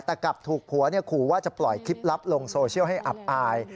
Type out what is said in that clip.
แต่กลับถูกผัวขู่ว่าจะปล่อยคลิปลับลงโซเชียลให้อับอาย